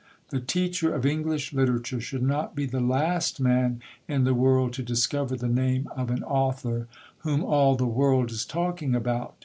The teacher of English literature should not be the last man in the world to discover the name of an author whom all the world is talking about.